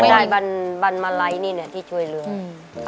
กระดานบันมาลัยนี่เนี่ยที่ช่วยเรือง